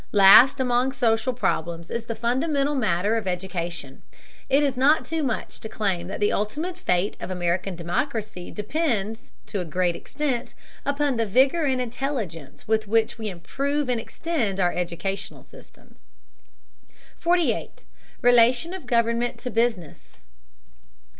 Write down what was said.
Last among social problems is the fundamental matter of education. It is not too much to claim that the ultimate fate of American democracy depends, to a great extent, upon the vigor and intelligence with which we improve and extend our educational system. 48. RELATION OF GOVERNMENT TO BUSINESS.